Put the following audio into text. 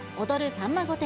さんま御殿！